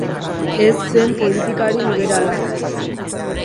Ez zen politikari liberala.